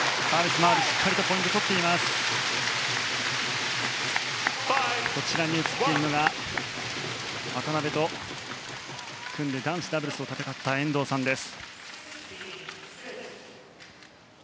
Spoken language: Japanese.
今、映っていたのが渡辺と組んで男子ダブルスを戦った遠藤さんです。